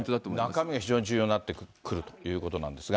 中身が非常に重要になってくるということなんですが。